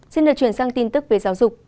xin được chuyển sang tin tức về giáo dục